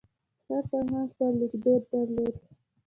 هر فرهنګ خپل لیکدود درلود.